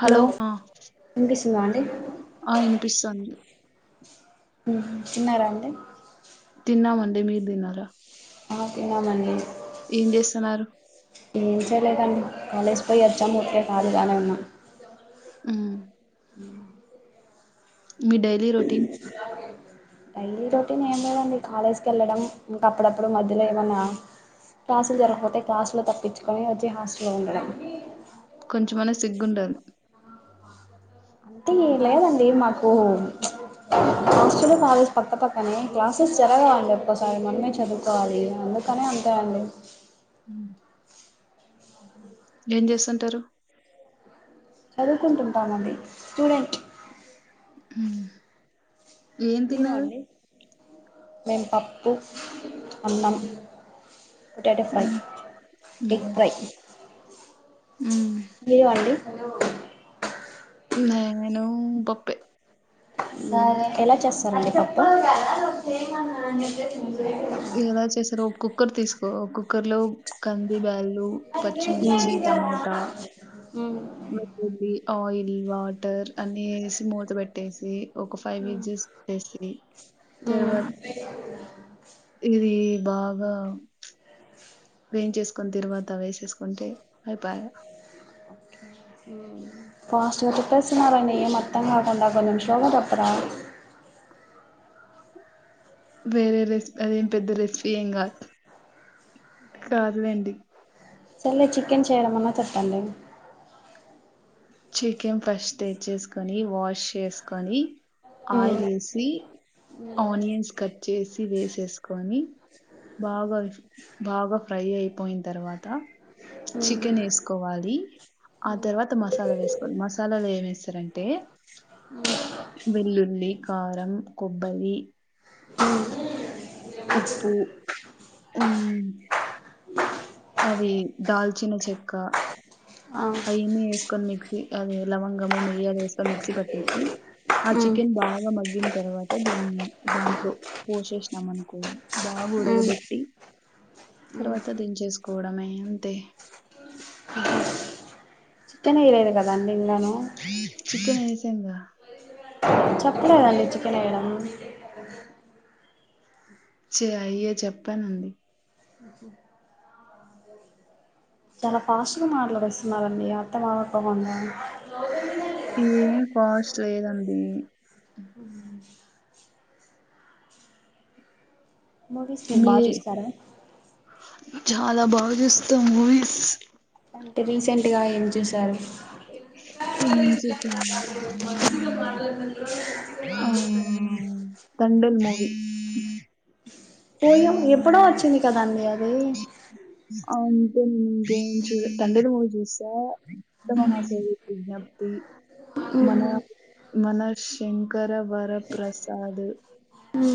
Hello వినిపిస్తుందా అండీ ఆ వినిపిస్తుంది తిన్నారా అండి తిన్నాము అండీ మీరు తిన్నారా ఆ తిన్నామ్ అండీ ఏం చేస్తున్నారు. ఏం చేయలేదండి కాలేజ్ పోయి వచ్చాను ఊరికే ఖాళీగానే ఉన్నా హ్మ్ [unintelligible] మీ డైలీ రోటీన్ డైలీ రొటీన్ ఏం లేదండి కాలేజ్కి వెళ్ళడం ఇంక అప్పుడప్పుడు మధ్యలో ఏమన్నా క్లాసులు జరగకపోతే క్లాసులో తప్పించుకొని వచ్చి హాస్టల్లో ఉండడం కొంచెమనే సిగ్గుండాలి అంతే లేదండి మాకు ప్చ్ హస్టల్ కాలేజ్ పక్క పక్కనే క్లాసెస్ జరగావండి ఒక్కసారి మనమే చదువుకోవాలి అందుకనే అంతేయండి హ్మ్. ఏం చేస్తుంటారు చదువుకుంటుంటామండి స్టూడెంట్ మ్మ్ ఏం మీరు తిన్నారు అండి మేము పప్పు అన్నాం పొటాటో ఫ్రై, మ్మ్ ఎగ్ మ్మ్ ఫ్రై మ్మ్ మీవండి హలో నేను పప్పే ఎలా చేస్తారండి పప్పు ఎలా చేస్తారు ఒక కుక్కర్ తీసుకో కుక్కర్ లో కంది బ్యాళ్ళు, పచ్చిమిర్చి, టమోటా, హ్మ్ ఆయిల్ వాట్ వాటర్ అన్ని వేసి మూత పెట్టేసి, ఒక ఫైవ్ ఇసీల్ పెట్టేసి తర్వాత ఇది బాగా ఏం చేసుకుని తర్వాత వేసేసుకుంటే అయిపాయ ఫాస్ట్ గా చెప్పేస్తున్నారండి ఎం అర్ధం కావడం లేదు కొంచెం స్లోగా చెపరా వేరే రెసి అదేం పెద్ద రెసిపీ ఏం కాదు కాదులేండి సరేలే చికెన్ చేయడంమన్నా చెప్పండి చికెన్ ఫస్ట్ తెచ్చేసుకొని వాష్ చేసుకొని మ్మ్. ఆయిల్ వేసి ఆనియన్స్ కట్ చేసి వేసేసుకొని బాగా బాగా ఫ్రై అయిపోయిన తర్వాత చికెన్ మ్మ్. వేసుకోవాలి ఆ తర్వాత మసాల మసాల వేసుకోవాలి మసాలాలు ఏమేస్తారంటే వెల్లుల్లి కారం కొబ్బరి ఆ ఉప్పు ఆ అవి దాల్చిన చెక్క ఆ. అవిని వేసుకొని మిక్స్ అదది లవంగము మెయ్యి అద వేస్త మిక్సీ పట్టేసి ఆ మ్మ్. చికెన్ బాగా మగ్గిన్ తర్వాత దీన్ దాంట్లో పోసేసినాం అనుకో బాగా మ్మ్. ఉడగబెట్టి మ్మ్. తర్వాత దించెస్ కూడమ ఇంతే [unintelligible] కదా చికెన్ వేస్ తింగ చెప్పలేదండి చికెన్ వయడం చె అయ్యే చెప్పానండి చాలా ఫాస్ట్గా మాటలు వేస్తున్నారుారంండి అత్తమావపో ఉడా ఏ బస్ చేయదండి మూవీస్ మీ బా చూస్తారా చాలా బాగా చూస్తాం మూవీస్ అంటే రీసెంట్గా ఏం చూశారు ఆ తండెల్ ము పోయం ఎప్పుడో వచ్చంది కదండి అది అంతేే [inaudible] చూడ తండెల్ మూవీ చూసా అంటే మనాశయ విజ్ఞప్తి మన మన శం కరవర ప్రసాద్ మ్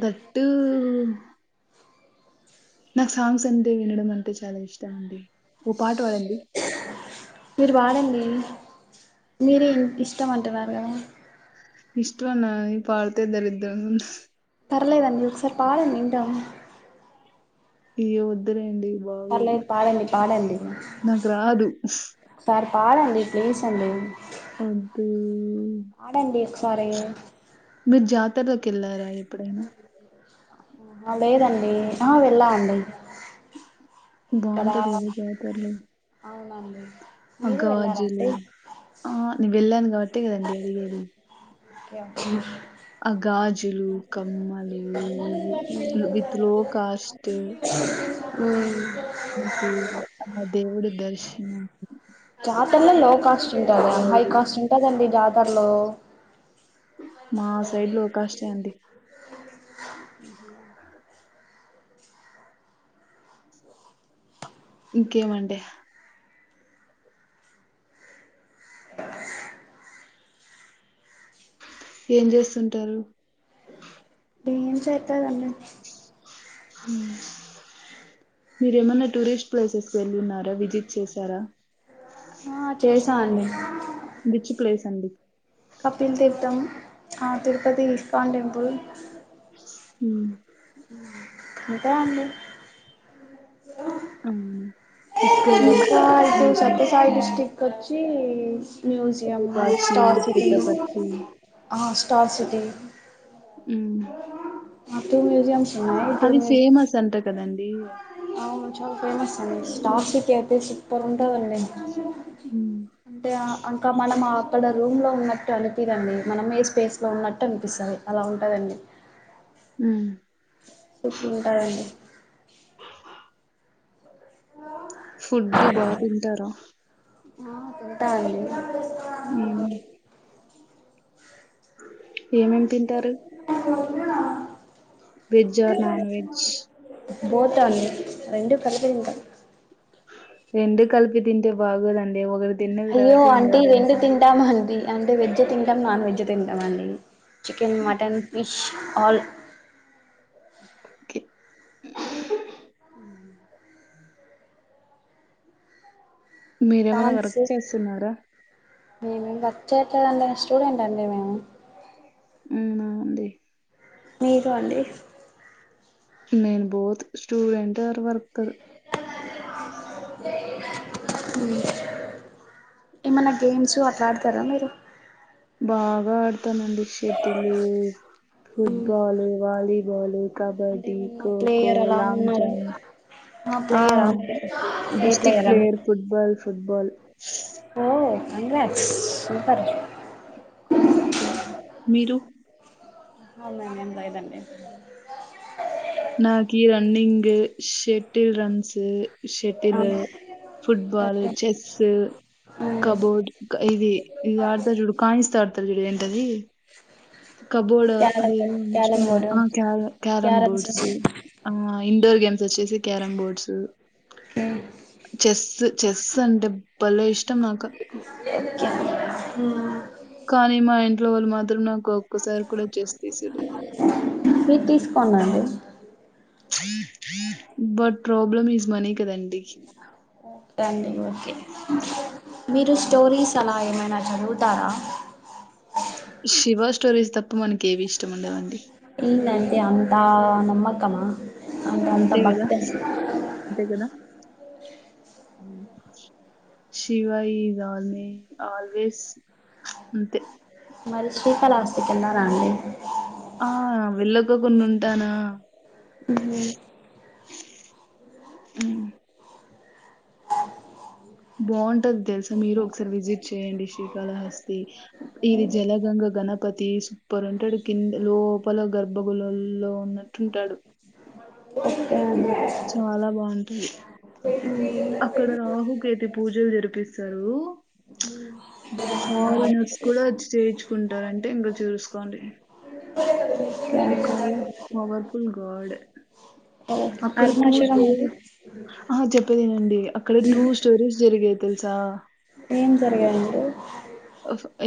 దట్టు నాకు సాంగ్స్ అంటే వినడం అంటే చాలా ఇష్టం అండి ఓ పాట పాడండి మీరు పాడండి మీరే ఇష్టంమంటున్నారు కదా ఇష్టవా నా పాడితే దరిద్రంగా ఉం పర్లేదండి ఒకసారి పాడండి వింటాను ఇయ్యో వద్దులేండి బాగోదు. పర్లేదు పాడండి పాడండి నాకు రాదు. మరి పాడండి ప్లీజ్ అండి అదీ ఆడండి సరే మీరు జాతరలకేళ్ళారా ఎప్పుడైనా లేదండి ఆ వెళ్ళామండి బాగుంటది కదా జాతరలో నండి మగ్గవాజీలు ఆ నీ వెళ్ళాను కాబ ట్టేకదండి అడిగేది ఓకే అే గాజులు కమ్మలు విత్ లో కాస్ట్ హు ఆ దేవుడు దర్శనం అక్కన్నే లో కాస్ట్ కద హై వాళ్ళు కాస్ట్ ఉంటాదండి జా హలో మా సైడ్ లో కాస్ట్ అండి ఇంకేమండి ఏం చేస్తుంటారు ఏం చేతదండి మీరేమన్నా టూరిస్ట్ ప్లేసెస్ వెళ్ళిన ర విజిట్ చేశారా ఆ చేసా అండి విచ్ ప్లేస్ అండి కపిల్ తీర్థం ఆ తిరుపతి ఇస్కాాన్ టెంపుల్ హుమ్ ఇంకా అండి హా అవునా ఇక్కడ అంటే ఉహు సత్యసాయి ఉమ్ డిస్టిక్ వచ్చి ఈ మ్యూజియం కాశీ ఇస్టోార్ సిటీస్ పుట్టపర్తి ఆ స్టార్ సిటీ మ్ అటు మ్యూజిమ్ అది ఫేమస్ అంట కదం డి అవును చాల ఫేమస్ అండి స్టార్ సిటీ అ [unintelligible] సూపర్గ ఉంటదండీ ఉమ్ అంటే అంకా మల్ల మా అక్కడ రూమ్లో ఉన్నట్టు అనిపిదండి మనమే స్పేస్లో ఉన్నట్టు అనిపిస్తుంది అలా ఉంటదండి హ్మ్ చెప్పు ఇంకా ఏంటి ఫుడ్డు బా తింటారా ఆ తింటామండి హ్మ్ ఏమేమ్ తింటారు veg or non veg both or మీ రెండు కలిపి తింటా రెండు కలిపి తింటే బాగోదండి ఒకటి తిన్న అయ్యో తర్వాత అంటీ ఇంకోటి రెండు తింటాం తింటామ్ ఆంటీ అంటే వెజ్జే తింటాం నాన్ వెజ్జే తింటామండి chicken mutton fish all okay మీరేమైనా వర్క్ చేస్తున్నారా మేము వర్క్ చేయట్లేదండి స్టూడెంట్ అండి మేము ఉమ్ ఔ అండి మీకు అండి మేం బోత్ స్టూడెట్ టర్ వర్కర్ ఏమన్నా గేమ్స్ ఆట్లాడతారా మీరు బాగా ఆడుతానండి షటిలు ఫుడ్ బాలు వాలీబాలు కబడ్డ్ అంటే డ్డీ ఏమన్నా ఖోఖో ప్లేయర్ అలా లాంగ్ ఉన్నారా జంప్ ఆ ఏ డిస్టిక్ ప్లేయరా మీరు ప్లేయర్ ఫుట్బాల్ ఫుట్బాల్ ఓ కంగ్రాట్స్ సూపర్ ఓకే మీరు అవునండి [inaudible] అండి గి షెటిల్ రన్సు షటిల్ ఆ ఫుట్బాల్ ఓకే చెస్సు మ్మ్ కబోర్డ్ ఇది ఇది ఆడతారు చూడు కాయిన్స్ తో ఆడతారు చూడు ఏంటది కబోర్డ్ క్యారం అదేం బోర్డ్ క్యారం మర్చిపోయినాను బోర్డు ఆ క్యార క్యారం క్యారమ్స్ బోర్డ్స్ ఓకే ఆ ఇండోర్ గేమ్స్ వచ్చేసి క్యారం బోర్డ్స్ చెస్సు చెస్సు అంటే భలే ఇష్టం నాక మ్మ్ కానీ మా ఇంట్లో వాళ్ళు మాత్రం నా మీరు తీసుకోండండి బట్ ప్రోబ్లమ్ ఈస్ మనీ కదన్ ఓకే అండి ఓకే మీరు స్టోరీస్ అలా ఏమైనా చదువుతారా షివ స్టోరీస్ తప్ప మనకేవీ ఇష్టం ఉండవండి ఇల్లన్ తే అంతా నమ్మకమా అంటే అంత అంతే కదా భక్తే శివయి ఈస్ ఆల్వే ఆల్వేస్ అంతే మరి శ్రీకాళహస్తికెళ్నారా అండి ఆ వెళ్ళకోకుండుంటానా [unintelligible] ఉమ్ బావుంటాది తెలుసా మీరూ ఒకసారి విజిట్ చేయండి శ్రీకాళహస్తి ఇది జలగంగ గణప పతి సూపర్ ఉంటాడు కింద లోపల గర్భగుళ్ళల్లో ఉన్నట్టుంటాడు [unintelligible] చాలా బావుంటది. మ్మ్ అక్కడ రాహుకేతు పూజలు జరిపిస్తారు ఫారినర్స్ కూడ వచ్చి చేయిచ్చుకుంటారంటే ఇంక చూసుకోండి because of powerful guard Arunachalam అండి ఆ చెప్పేదినండి అక్కడ టూ స్టోరీస్ జరిగే తెలుసా ఏం జరిగాయండి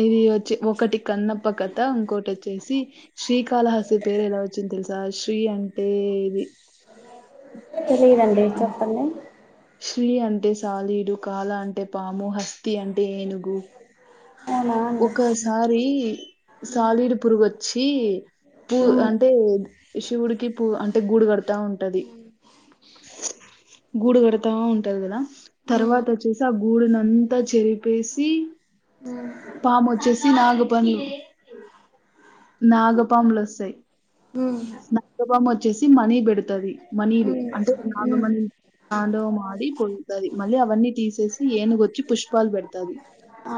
ఇది వచ్చి ఒకటి కన్నప్ప కథ ఇంకోటొచ్చేసి శ్రీకాళహస్తి పేరు ఎలా వచ్చింది తెలుసా శ్రీ అంటే ఇది [unintelligible] డే ఉమ్, చప్పండి శ్రీ అంటే సాలీడు కాళ అంటే పాము హస్ తి అంటే ఏనుగు అవునా అండి ఒకసారి సాలీడు పురుగు వచ్చి పూ ఉమ్ అంటే శివుడికి పూ అంటే గూడు కడతా ఉంటది గూడు కడు తా ఉంటది కదా ఉమ్ తర్వాత వచ్చేసి ఆ గూడునంతా చెరిపేసి పామొచ్చేసి నాగు ఫణి నాగుపాము లొసై ఉమ్ ఉమ్ నాగుపామొ చ్చేసి మణి బెడు తది మణిలు ఉమ్ అంటే ఉమ్. నాగమణి తండవమాడి పెడుతది మళ్ళీ అవన్నీ తీసేసి ఏనుగొచ్చి పుష్పాలు పెడతది ఆ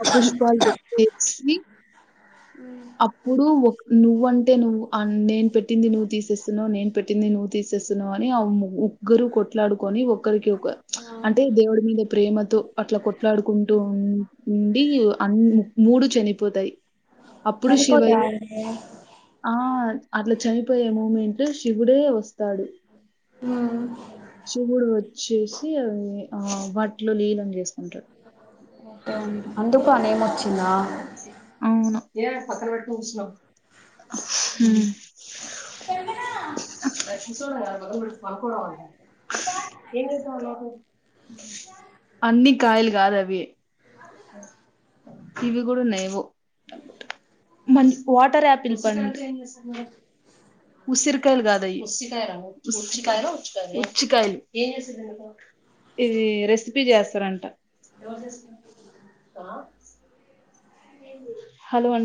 ఆ పుష్పాలు పెట్టేసి అప్పుడు ఒక నువ్వన్ టే నువ్వు ఆ నేను పెట్టింది నువ్వు తీసేస్తున్నావు నేను పెట్టింది నువ్వు తీసేస్తున్నావు అని ఆ ముగురు కొట్లాడుకొని ఒకరికి ఒక ఆ అంటే దేవుడి మీద ప్రేమతో అట్లా కొట్లాడుకుంటూ ఉండి అన్ మూడు చనిపోతాయి అప్పుడు చనిపోతారా శివయ్ అండి ఆ అట్లా చనిపోయే మూమెంట్ లో శివుడే వస్తాడు ఉమ్ శివుడు వచ్చేసి అవి ఆ వాటిలో లీనం చేస్ ఉంట అందుకా నేనొచ్చి నా అవును ఏ అది పక్కన పెట్టుకుని కూచున్నావ్ అన్ని కాయలు కాదది వే మ వాటర్ యాపిల్ పండు ఉసిరికాయలు కాదయ ఇది రెసిపీ చేస్తారంట హలో అండి